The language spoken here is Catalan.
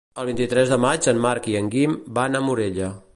El vint-i-tres de maig en Marc i en Guim van a Morella.